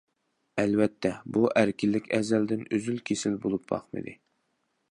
ئەلۋەتتە، بۇ ئەركىنلىك ئەزەلدىن ئۈزۈل- كېسىل بولۇپ باقمىدى.